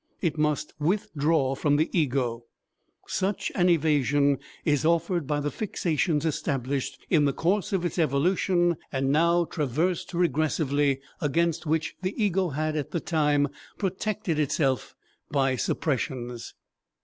It must withdraw from the ego. Such an evasion is offered by the fixations established in the course of its evolution and now traversed regressively, against which the ego had, at the time, protected itself by suppressions.